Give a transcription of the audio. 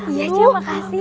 iya cik makasih